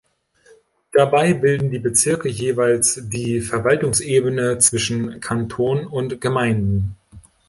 Dabei bilden die Bezirke jeweils die Verwaltungsebene zwischen Kanton und Gemeinden.